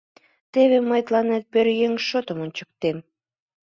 Теве мый тыланет пӧръеҥ шотым ончыктем!